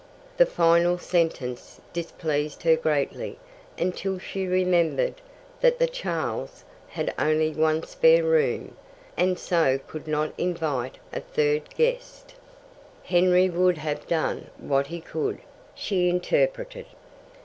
The final sentence displeased her greatly until she remembered that the Charles' had only one spare room, and so could not invite a third guest. "Henry would have done what he could," she interpreted.